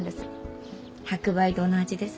白梅堂の味です。